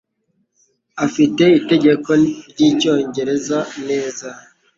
Afite itegeko ryicyongereza neza.